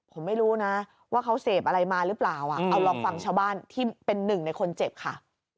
ผมไม่รู้นะว่าเขาเสพอะไรมาหรือเปล่าเอาลองฟังชาวบ้านที่เป็นหนึ่งในคนเจ็บค่ะ